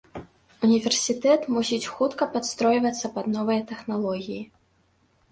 Універсітэт мусіць хутка падстройвацца пад новыя тэхналогіі.